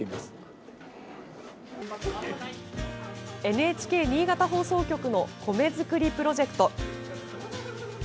ＮＨＫ新潟放送局の米作りプロジェクト。